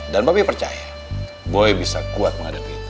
dan papi percaya boy bisa kuat menghadapi itu